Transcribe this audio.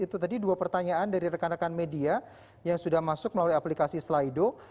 itu tadi dua pertanyaan dari rekan rekan media yang sudah masuk melalui aplikasi slido